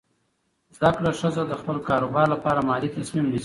زده کړه ښځه د خپل کاروبار لپاره مالي تصمیم نیسي.